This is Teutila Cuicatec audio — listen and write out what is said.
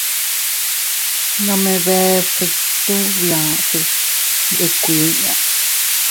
Nome bee bsitu bia, se iyndikkue inña.